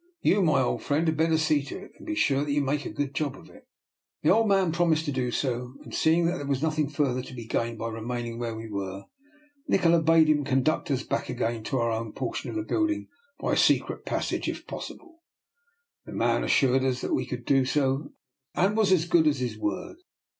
You, my old friend, had better see to it, and be sure that you make a good job of it.'' The old man promised to do so, and see ing that there was nothing further to be gained by remaining where we were, Nikola bade him conduct us back again to our own portion of the building by a secret passage if possible. The man assured us that he could do so, and was as good as his word.